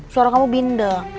suara kamu binde